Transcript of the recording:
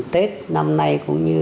tết năm nay cũng như